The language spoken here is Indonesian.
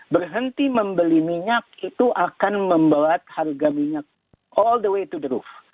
berhenti membeli minyak itu akan membuat harga minyak all the way to the roof